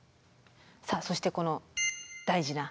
さあそしてこの大事な。